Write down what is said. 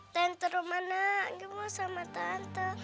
tante rumana anggi mau sama tante